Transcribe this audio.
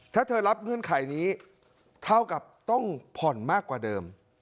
ถ้าเธอรับเงื่อนไขนี้เท่ากับต้องผ่อนมากกว่าเดิม